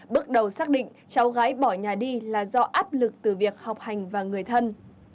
bước đầu xác định cháu gái bỏ nhà đi là do áp lực từ việc học hành và người thân